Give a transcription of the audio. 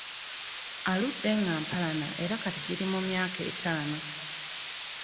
Aludde nga ampalana era kati giri mu myaka etaano.